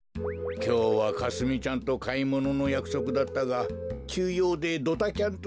きょうはかすみちゃんとかいもののやくそくだったがきゅうようでドタキャンとはつまらんな。